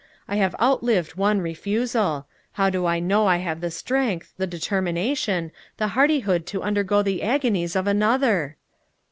"I have outlived one refusal. How do I know I have the strength, the determination, the hardihood to undergo the agonies of another?"